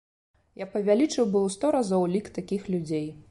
Я павялічыў бы ў сто разоў лік такіх людзей.